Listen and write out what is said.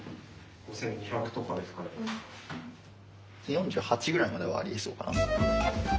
４８ぐらいまではありえそうかな？